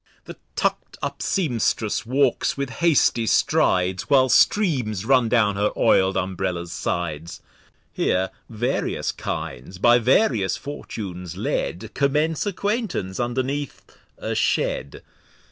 The tuck'd up Sempstress walks with hasty Strides, While Streams run down her oil'd Umbrella's Sides. Here various Kinds by various Fortunes led, Commence Acquaintance underneath a Shed.